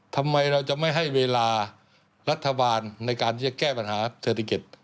ทำไมเราจะไม่ให้เวลารัฐบาลในการที่จะแก้ปัญหาเศรษฐกิจ